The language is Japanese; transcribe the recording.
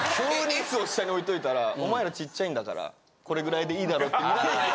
Ｓを下に置いといたらお前らちっちゃいんだからこれぐらいでいいだろって見られない。